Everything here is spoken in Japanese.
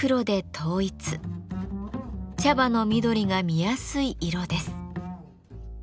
茶葉の緑が見やすい色です。